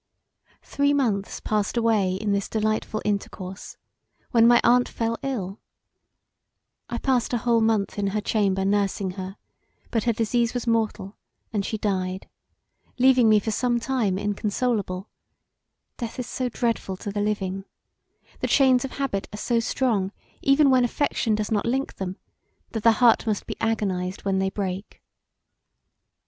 Three months passed away in this delightful intercourse, when my aunt fell ill. I passed a whole month in her chamber nursing her, but her disease was mortal and she died, leaving me for some time inconsolable, Death is so dreadful to the living; the chains of habit are so strong even when affection does not link them that the heart must be agonized when they break.